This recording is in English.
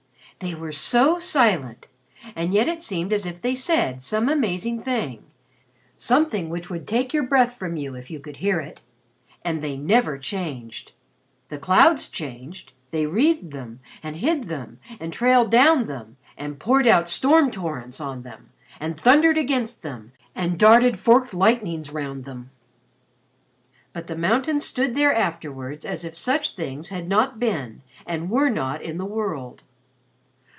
They were so silent, and yet it seemed as if they said some amazing thing something which would take your breath from you if you could hear it. And they never changed. The clouds changed, they wreathed them, and hid them, and trailed down them, and poured out storm torrents on them, and thundered against them, and darted forked lightnings round them. But the mountains stood there afterwards as if such things had not been and were not in the world.